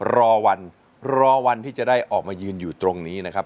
รอวันรอวันที่จะได้ออกมายืนอยู่ตรงนี้นะครับ